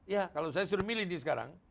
ya kalau saya suruh milih ini sekarang